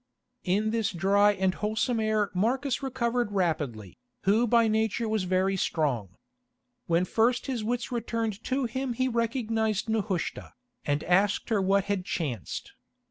In this dry and wholesome air Marcus recovered rapidly, who by nature was very strong. When first his wits returned to him he recognised Nehushta, and asked her what had chanced.